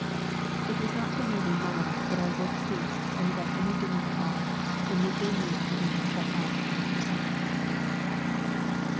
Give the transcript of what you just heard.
It was not till nearly nine that our work ceased and we got any dinner at all, the midday meal having been cut out for a rehearsal.